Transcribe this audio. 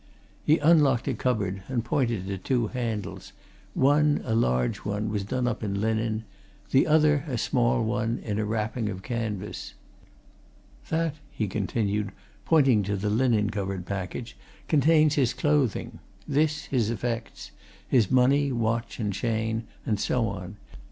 He unlocked a cupboard and pointed to two bundles one, a large one, was done up in linen; the other, a small one, in a wrapping of canvas. "That," he continued, pointing to the linen covered package, "contains his clothing; this, his effects: his money, watch and chain, and so on.